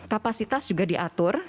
kapasitas juga diatur